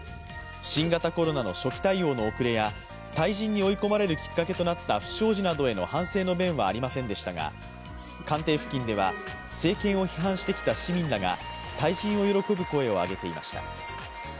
新型コロナの初期対応の遅れや退陣に追い込まれるきっかけとなった不祥事などへの反省の弁はありませんでしたが官邸付近では、政権を批判してきた市民らが退陣を喜ぶ声を上げていました。